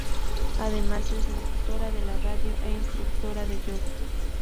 Además es locutora de radio e instructora de yoga.